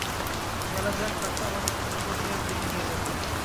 গেলে যাক, ট্রাকটা আমাদের একটা বিপর্যয়ের দিকে নিয়ে যেত।